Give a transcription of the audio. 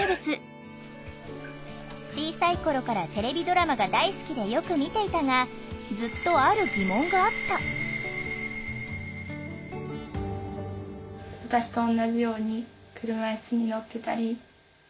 小さい頃からテレビドラマが大好きでよく見ていたがずっとある疑問があった高校で演劇部に入った藤原さん。